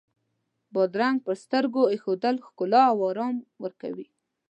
بادرنګ پر سترګو ایښودل ښکلا او آرام ورکوي.